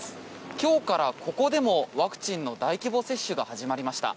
今日からここでもワクチンの大規模接種が始まりました。